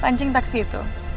pancing taksi itu